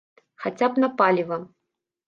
Хаця б на паліва.